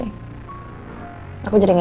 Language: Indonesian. se nft rasanya gitu ya